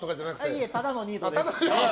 いえ、ただのニートです。